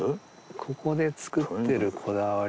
ここで作ってるこだわり。